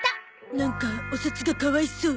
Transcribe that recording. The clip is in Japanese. なんかお札がかわいそう。